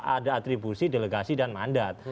ada atribusi delegasi dan mandat